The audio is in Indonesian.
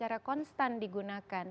karena secara konstan digunakan